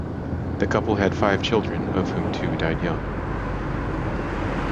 The couple had five children, of whom two died young.